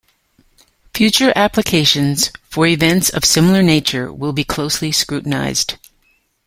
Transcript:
Future applications for events of similar nature will be closely scrutinised.